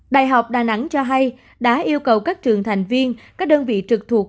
đại học đà nẵng cho hay đã yêu cầu các trường thành viên các đơn vị trực thuộc